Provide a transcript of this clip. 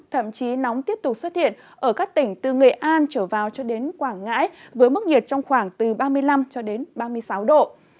thậm chí nóng tiếp tục xuất hiện ở các tỉnh từ nghệ an trở vào cho đến quảng ngãi với mức nhiệt trong khoảng từ ba mươi năm ba mươi sáu độ